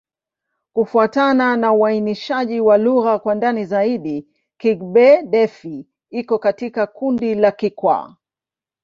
Kufuatana na uainishaji wa lugha kwa ndani zaidi, Kigbe-Defi iko katika kundi la Kikwa.